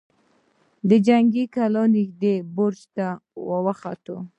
د جنګي کلا نږدې برج ته وخوت.